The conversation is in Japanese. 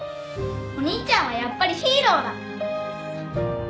お兄ちゃんはやっぱりヒーローだ！